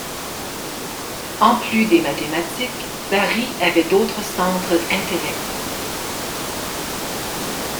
En plus des mathématiques, Bari avait d'autres centres intérêts.